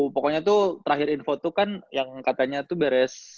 pokoknya tuh terakhir info tuh kan yang katanya tuh beres